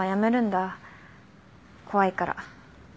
怖いから。